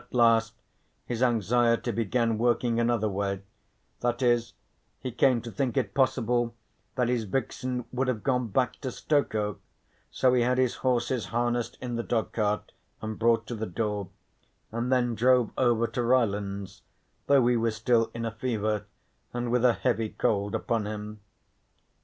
At last his anxiety began working another way, that is he came to think it possible that his vixen would have gone back to Stokoe, so he had his horses harnessed in the dogcart and brought to the door and then drove over to Rylands, though he was still in a fever, and with a heavy cold upon him.